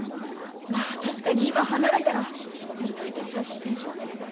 まあ確かに今離れたらみのりたちは自然消滅だね。